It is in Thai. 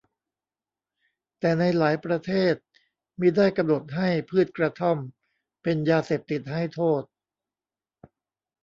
แต่ในหลายประเทศมิได้กำหนดให้พืชกระท่อมเป็นยาเสพติดให้โทษ